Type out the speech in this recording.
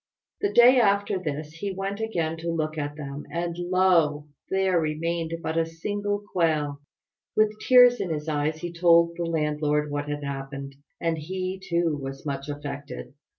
The day after this he went again to look at them, and lo! there remained but a single quail. With tears in his eyes he told the landlord what had happened, and he, too, was much affected.